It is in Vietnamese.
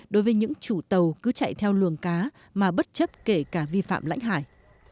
đối với những chủ tàu cứ chạy theo luồng cá mà bất chấp kể cả vi phạm lãnh hải